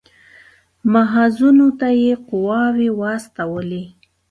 محاذونو ته یې قواوې واستولې.